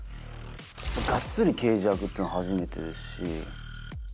がっつり刑事役っていうのは初めてですし。